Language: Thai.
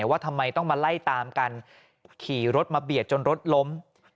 ว่าทำไมต้องมาไล่ตามกันขี่รถมาเบียดจนรถล้ม